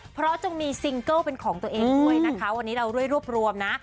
เพราะจงมีซิงเกิลเป็นของตัวเองด้วยนะคะวันนี้เราด้วยรวบรวมนะ